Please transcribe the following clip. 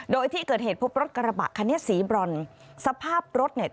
โดยที่เกิดเหตุพบรถกระบะคันนี้สีบรอนสภาพรถเนี่ย